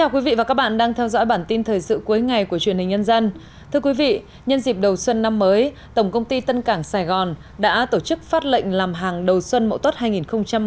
các bạn hãy đăng ký kênh để ủng hộ kênh của chúng mình nhé